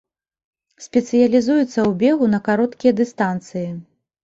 Спецыялізуецца ў бегу на кароткія дыстанцыі.